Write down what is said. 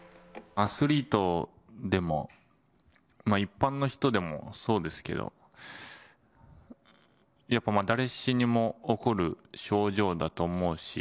アスリートでも、一般の人でもそうですけど、やっぱ誰しにも起こる症状だと思うし。